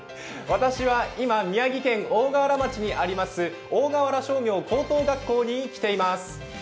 私は今、宮城県大河原町にあります、大河原商業高等学校に来ています。